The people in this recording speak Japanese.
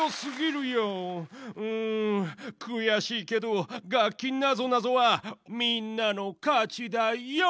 うんくやしいけど楽器なぞなぞはみんなのかちだヨー！